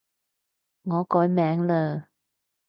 我改名嘞